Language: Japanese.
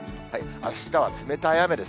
あしたは冷たい雨です。